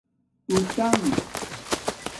ٹݸ ٹݣ